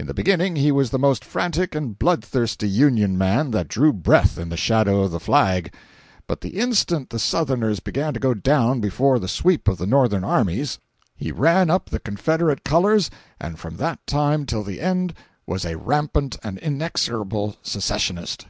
In the beginning he was the most frantic and bloodthirsty Union man that drew breath in the shadow of the Flag; but the instant the Southerners began to go down before the sweep of the Northern armies, he ran up the Confederate colors and from that time till the end was a rampant and inexorable secessionist.